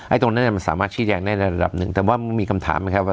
ตรงนั้นมันสามารถชี้แจงได้ระดับหนึ่งแต่ว่ามีคำถามนะครับว่า